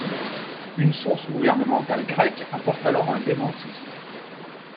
Une source gouvernementale grecque apporte alors un démenti.